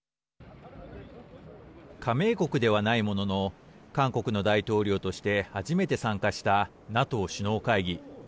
加盟国ではないものの韓国の大統領として初めて参加したＮＡＴＯ首脳会議。